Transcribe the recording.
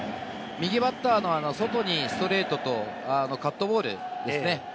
右バッターの外にストレートとカットボールですね。